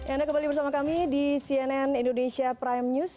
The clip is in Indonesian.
anda kembali bersama kami di cnn indonesia prime news